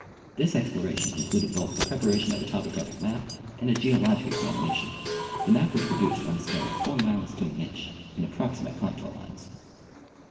This exploration included both the prep aration of a topographic map and a geologic examination. The The System of Land Surveys. 107 map was produced on a scale of 4 miles to an inch in approxi mate contour lines.